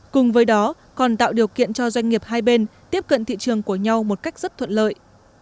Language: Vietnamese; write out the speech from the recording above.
cùng với đó còn tạo điều kiện cho doanh nghiệp hai bên tiếp cận thị trường của nhau một cách rất thuận lợi